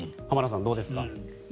浜田さん、どうですか。